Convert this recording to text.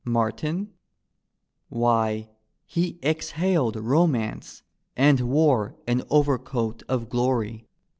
" Martin? Why, he exhaled romance. And wore an overcoat of gloiy.